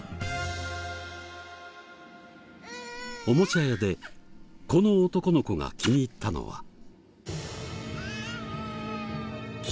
おもちゃ屋でこの男の子が気に入ったのは。